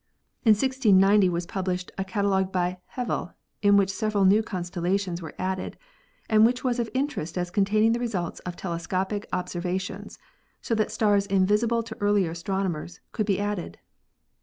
In 1690 was published a catalogue by Hevel in which several new constellations were added and which was of interest as containing the results of telescopic observations, so that stars invisible to earlier astronomers could be added.